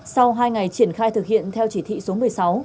sau hai ngày triển khai thực hiện theo chỉ thị số một mươi sáu